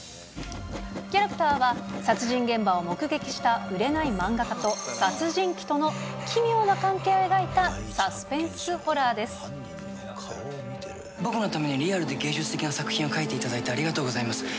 キャラクターは、殺人現場を目撃した売れない漫画家と殺人鬼との奇妙な関係を描い僕のためにリアルで芸術的な作品を描いていただいて、ありがとうございます。